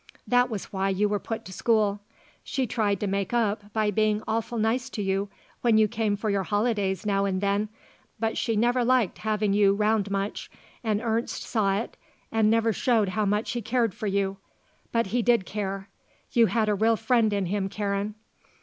That was why you were put to school. She tried to make up by being awful nice to you when you came for your holidays now and then; but she never liked having you round much and Ernst saw it and never showed how much he cared for you. But he did care. You had a real friend in him, Karen.